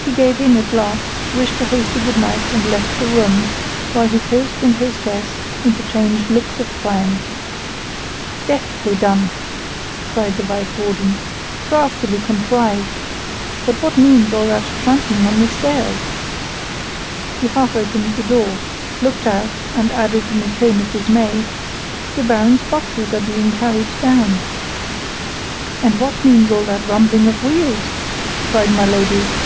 He gave in at last, wished a hasty good night, and left the room, while his host and hostess interchanged looks of triumph. "Deftly done!" cried the Vice Warden. "Craftily contrived! But what means all that tramping on the stairs?" He half opened the door, looked out, and added in a tone of dismay, "The Baron's boxes are being carried down!" "And what means all that rumbling of wheels?" cried my Lady.